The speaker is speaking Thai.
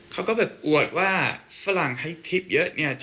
เขาก็แบบอวดว่าฝรั่งให้ทริปเยอะเนี่ย